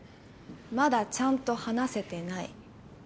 まだちゃんと話せてない。